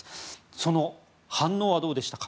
その反応はどうでしたか。